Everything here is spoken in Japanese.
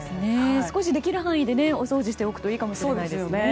少しできる範囲でお掃除しておくといいかもしれないですね。